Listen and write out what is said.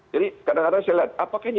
jadi kadang kadang saya lihat apakah ini